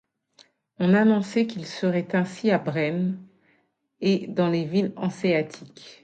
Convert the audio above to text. On annonçait qu'il en serait ainsi à Brème, et dans les villes anséatiques.